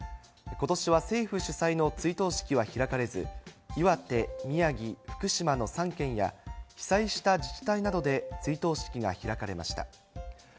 ことしは政府主催の追悼式は開かれず、岩手、宮城、福島の３県や、被災した自治体などで追悼式が開かれました。